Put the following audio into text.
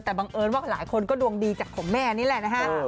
แต่บังเอิญว่าหลายคนก็ดวงดีจากของแม่นี่แหละนะฮะ